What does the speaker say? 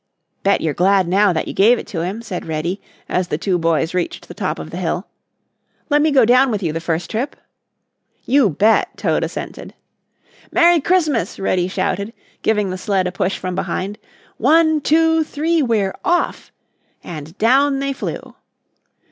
"Bet you're glad now that you gave it to him," said Reddy as the two boys reached the top of the hill. "Let me go down with you the first trip?" "You bet!" Toad assented. "Merry Christmas," Reddy shouted, giving the sled a push from behind. "One, two, three, we're off," and down they flew.